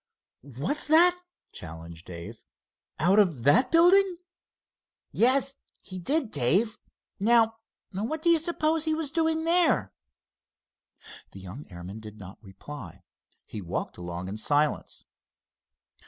"What's that!" challenged Dave. "Out of that building?" "Yes, he did, Dave. Now what do you suppose he was doing there?" The young airman did not reply. He walked along in silence.